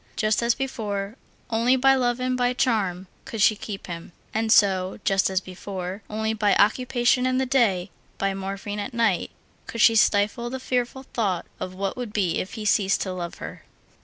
Just as before, only by love and by charm could she keep him. And so, just as before, only by occupation in the day, by morphine at night, could she stifle the fearful thought of what would be if he ceased to love her.